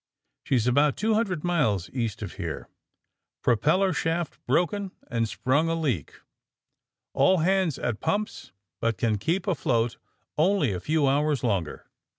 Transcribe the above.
She's about two hundred miles east of here. Propeller shaft broken and sprung a leak. All hands at pumps, but can AND THE SMUGGLEES 111 keep afloat only a few hours longer.